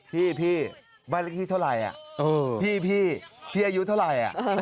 พี่พี่บ้านละที่เท่าไรอ่ะอืมพี่พี่พี่อายุเท่าไรอ่ะอ๋อ